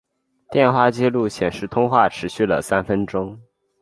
电话记录显示通话持续了三分钟。